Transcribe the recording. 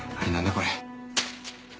これ。